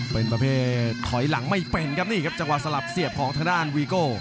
เป็นประเภทถอยหลังไม่เป็นครับนี่ครับจังหวะสลับเสียบของทางด้านวีโก้